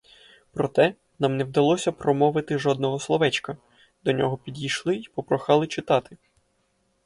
Проте, нам не вдалося промовити жодного словечка: до нього підійшли і попрохали читати.